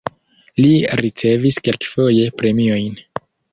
Li ricevis kelkfoje premiojn.